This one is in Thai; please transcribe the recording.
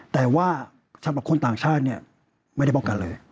แต่ว่าสำหรับคนต่างชาติเนี่ยไม่ได้ป้องกันเลย